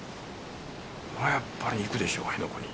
やっぱり行くでしょう辺野古に。